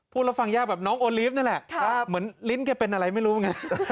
พูดแล้วฟังยากแบบน้องโอลิฟน์นั่นแหละครับเหมือนลิ้นแกเป็นอะไรไม่รู้มั้ย